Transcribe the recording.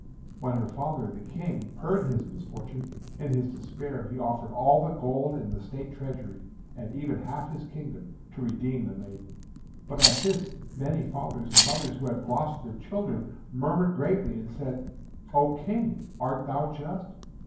When her father, the King, heard his misfortune, in his despair he offered all the gold in the state treasury and even half his kingdom, to redeem the maiden. But at this many fathers and mothers who had lost their children murmured greatly and said, "O King, art thou just?